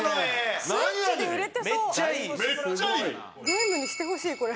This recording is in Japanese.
ゲームにしてほしいこれ。